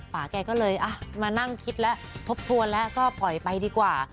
ป่าแกก็เลยมานั่งคิดแล้วทบทวนแล้วก็ปล่อยไปดีกว่า